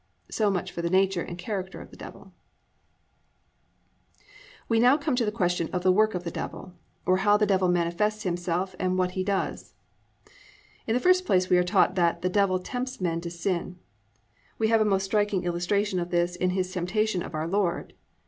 So much for the nature and character of the Devil. IV. THE WORK OF THE DEVIL We come now to the question of the Work of the Devil, or How the Devil Manifests Himself, and What He Does. 1. In the first place we are taught that the Devil tempts men to sin. We have a most striking illustration of this in his temptation of our Lord.